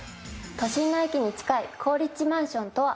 都心の駅に近い好立地マンションとは？